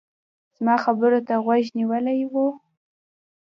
زما خبرو ته غوږ نيولی و.